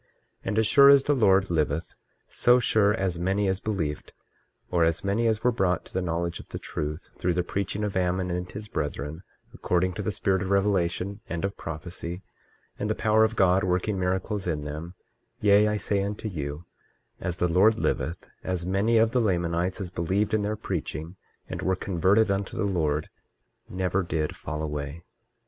23:6 And as sure as the Lord liveth, so sure as many as believed, or as many as were brought to the knowledge of the truth, through the preaching of Ammon and his brethren, according to the spirit of revelation and of prophecy, and the power of God working miracles in them—yea, I say unto you, as the Lord liveth, as many of the Lamanites as believed in their preaching, and were converted unto the Lord, never did fall away.